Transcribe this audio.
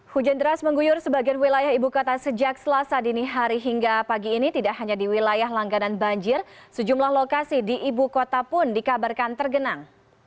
hujan deras mengguyur sebagian wilayah ibu kota sejak selasa dini hari hingga pagi ini tidak hanya di wilayah langganan banjir sejumlah lokasi di ibu kota pun dikabarkan tergenang